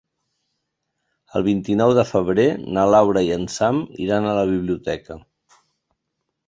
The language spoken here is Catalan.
El vint-i-nou de febrer na Laura i en Sam iran a la biblioteca.